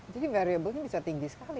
jadi variabelnya bisa tinggi sekali